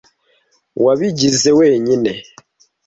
Wabigize wenyine?